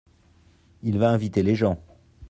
Il va inviter les gens.